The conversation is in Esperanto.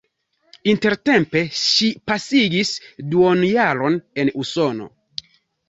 Intertempe ŝi pasigis duonjaron en Usono.